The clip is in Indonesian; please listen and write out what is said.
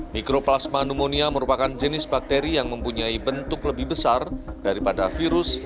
mikroplasma pneumonia merupakan jenis bakteri yang mempunyai bentuk lebih besar daripada virus